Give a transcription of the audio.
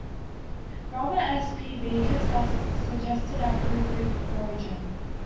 Robert S. P. Beekes has suggested a Pre-Greek origin.